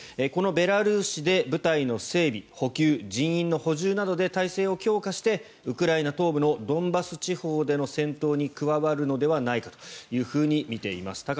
このベラルーシで部隊の整備補給、人員の補充などで体制を強化してウクライナ東部のドンバス地方での戦闘に加わるのではないかと見ています。